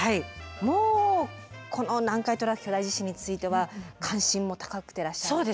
もうこの南海トラフ巨大地震については関心も高くてらっしゃいますか？